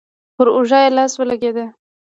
پر اوږه يې لاس ولګېد.